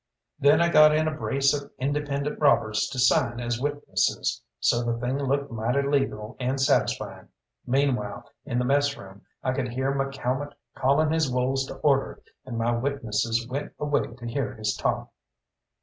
Then I got in a brace of independent robbers to sign as witnesses, so the thing looked mighty legal and satisfying. Meanwhile in the messroom I could hear McCalmont calling his wolves to order, and my witnesses went away to hear his talk.